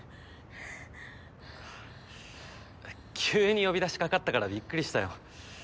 急に呼び出しかかったからびっくりしたよ。